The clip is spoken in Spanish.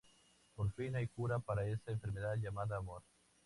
Por fin hay cura para esa enfermedad llamada amor.